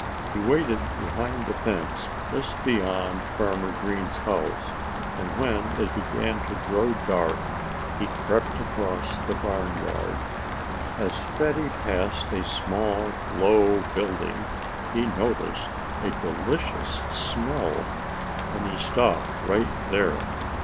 He waited behind the fence just beyond Farmer Green's house; and when it began to grow dark he crept across the barnyard. As Fatty passed a small, low building he noticed a delicious smell. And he stopped right there.